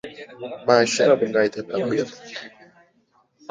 Mai sẽ là một ngày thật đặc biệt